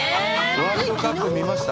ワールドカップ見ました？